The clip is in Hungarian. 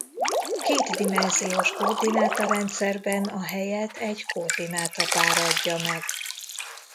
Kétdimenziós koordináta-rendszerben a helyet egy koordináta-pár adja meg.